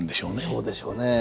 そうでしょうね。